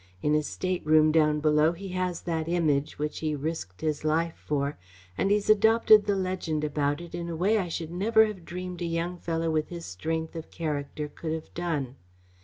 In his stateroom down below he has that Image which he risked his life for, and he's adopted the legend about it in a way I should never have dreamed a young fellow with his strength of character could have done.